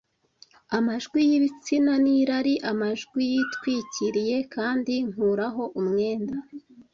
Amajwi y'ibitsina n'irari, amajwi yitwikiriye kandi nkuraho umwenda,